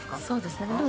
そうですね。